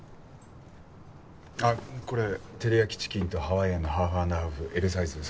あっこれ照り焼きチキンとハワイアンのハーフアンドハーフＬサイズ。